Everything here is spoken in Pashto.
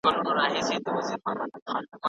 د خیر تمه به نه کوی له تورو خړو وریځو